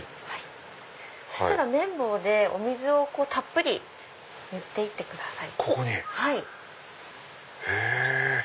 そしたら綿棒でお水をたっぷり塗って行ってください。